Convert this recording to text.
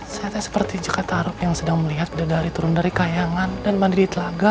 seatnya seperti cekak tarub yang sedang melihat deda tulung dari kayangan dan bandit di telaga